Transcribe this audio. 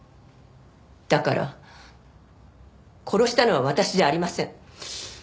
だから殺したのは私じゃありません。